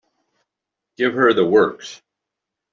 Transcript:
Give her the works.